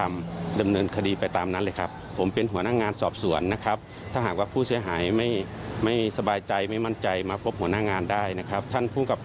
มันไม่มีผลกับสำนวนคดี